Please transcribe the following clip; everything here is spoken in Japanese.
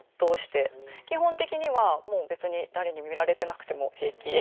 基本的にはもう別に誰に見られてなくても平気。